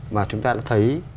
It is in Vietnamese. mà chúng ta đã thấy